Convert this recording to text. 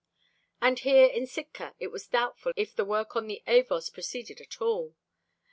And here in Sitka it was doubtful if the work on the Avos proceeded at all.